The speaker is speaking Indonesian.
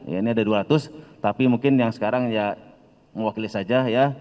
ya ini ada dua ratus tapi mungkin yang sekarang ya mewakili saja ya